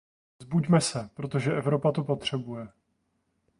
Vzbuďme se, protože Evropa to potřebuje!